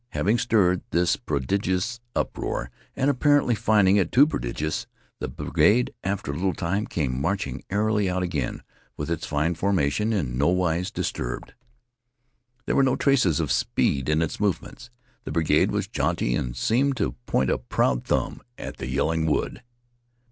Having stirred this prodigious uproar, and, apparently, finding it too prodigious, the brigade, after a little time, came marching airily out again with its fine formation in nowise disturbed. There were no traces of speed in its movements. The brigade was jaunty and seemed to point a proud thumb at the yelling wood.